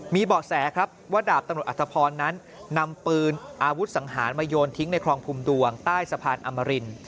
มีเบาะแสครับว่าดาบตำรวจอัตภพรนั้นนำปืนอาวุธสังหารมาโยนทิ้งในคลองพุมดวงใต้สะพานอมริน